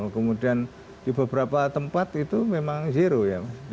kemudian di beberapa tempat itu memang ya